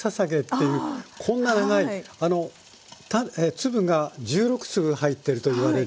粒が１６粒入ってるといわれる。